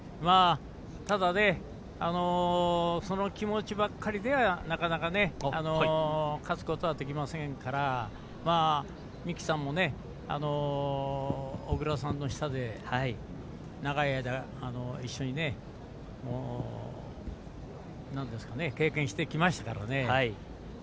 ただ、その気持ちばっかりではなかなか勝つことできませんから三木さんも小倉さんの下で長い間、一緒に経験してきましたからね。